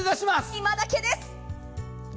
今だけです。